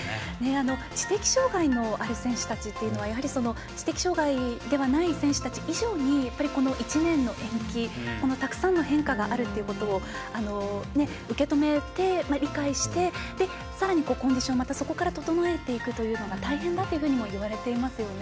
知的障がいのある選手たちって知的障がいではない選手たち以上に１年の延期、たくさんの変化があるということを受け止めて、理解してさらにコンディションをまた、そこから整えていくのが大変だといわれていますよね。